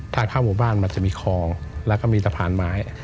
ทางเข้าหมู่บ้านมันจะมีคลองแล้วก็มีสะพานไม้